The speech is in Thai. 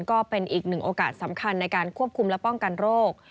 ก็เป็นอีกหนึ่งโอกาสสำคัญในการควบคุมและป้องกันโรค